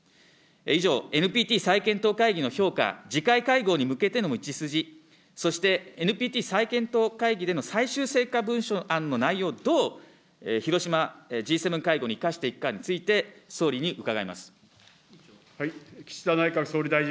以上、ＮＰＴ再検討会議の評価、次回会合に向けての道筋、そしてＮＰＴ再検討会議での最終成果文書案の内容をどう広島Ｇ７会合に生かしていくかについて、総理に伺います。